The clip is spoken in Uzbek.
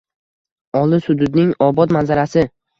Olis hududning obod manzarasi